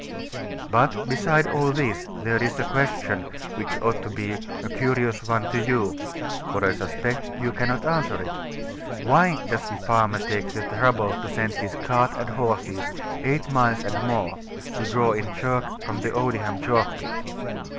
But, beside all this, there is a question, which ought to be a curious one to you (for I suspect you cannot answer it) Why does the farmer take the trouble to send his cart and horses eight miles and more, to draw in chalk from Odiham chalk pit?